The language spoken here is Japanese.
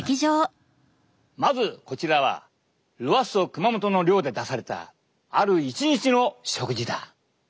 まずこちらはロアッソ熊本の寮で出されたある一日の食事だ。